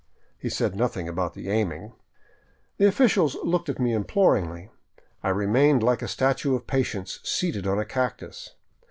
He said nothing about the aiming. The officials looked at me imploringly. I remained like a statue of patience seated on a cactus.